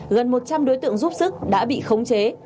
gần một trăm linh đối tượng giúp sức đã bị khống chế